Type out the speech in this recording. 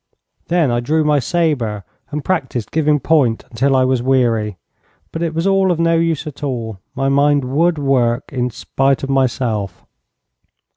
Then I drew my sabre and practised giving point until I was weary, but it was all of no use at all. My mind would work, in spite of myself.